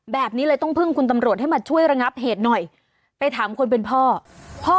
เบิร์ตลมเสียโอ้โหเบิร์ตลมเสียโอ้โห